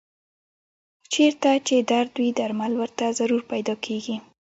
چېرته چې درد وي درمل ورته ضرور پیدا کېږي.